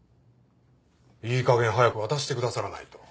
いい加減早く渡してくださらないと。